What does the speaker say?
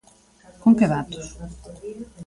¿Con que datos?